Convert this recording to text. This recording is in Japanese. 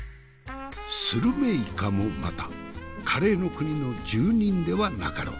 スルメイカもまたカレーの国の住人ではなかろう。